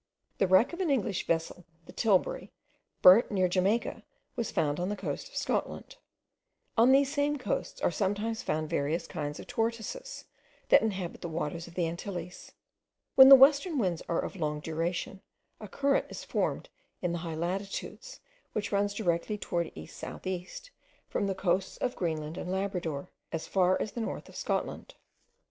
The wreck of an English vessel, the Tilbury, burnt near Jamaica, was found on the coast of Scotland. On these same coasts are sometimes found various kinds of tortoises, that inhabit the waters of the Antilles. When the western winds are of long duration, a current is formed in the high latitudes, which runs directly towards east south east, from the coasts of Greenland and Labrador, as far as the north of Scotland.